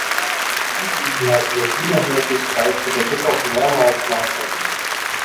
In Angelegenheiten des Wiener Hofes reiste der Bischof mehrmals nach Rom.